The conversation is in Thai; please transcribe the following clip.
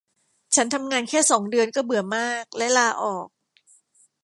ฉันทำงานแค่สองเดือนก็เบื่อมากและลาออก